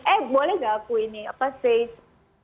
eh boleh nggak aku ini apa sih